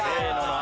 あ！